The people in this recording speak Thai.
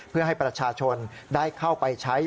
เพื่อให้ประชาชนได้เข้าไปใช้